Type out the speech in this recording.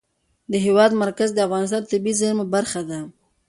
د هېواد مرکز د افغانستان د طبیعي زیرمو برخه ده.